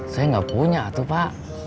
saya nggak punya tuh pak